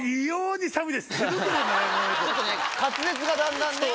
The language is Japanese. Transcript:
ちょっとね滑舌がだんだんね。